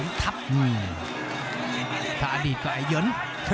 จะประเทศเข้ามาถ้าอดีตก็ไอ้หยัน